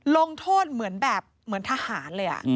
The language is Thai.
ลงโทษเหมือนแบบเหมือนทหารเลย